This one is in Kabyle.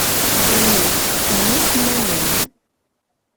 Ddunit, d mm isennanen.